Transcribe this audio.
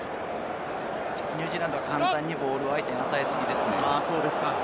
ニュージーランドは簡単にボールを相手に与えすぎですね。